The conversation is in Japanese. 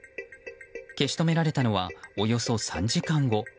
消しとめられたのはおよそ３時間後。